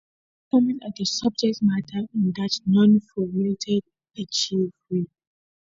But coming at the subject matter in that non-formatted Archive way.